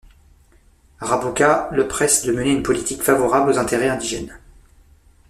Rabuka le presse de mener une politique favorable aux intérêts indigènes.